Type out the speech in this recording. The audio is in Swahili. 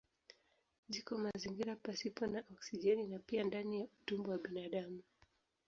Ziko mazingira pasipo na oksijeni na pia ndani ya utumbo wa binadamu.